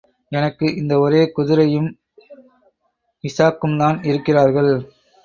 எனக்கு, இந்த ஒரே குதிரையும், இஷாக்கும்தான் இருக்கிறார்கள்.